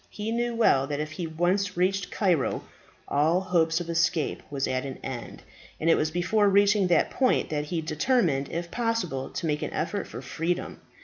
He knew well that if he once reached Cairo all hope of escape was at an end; and it was before reaching that point that he determined if possible to make an effort for freedom.